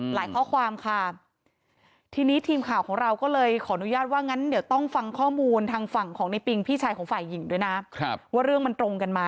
หลายข้อความค่ะทีนี้ทีมข่าวของเราก็เลยขออนุญาต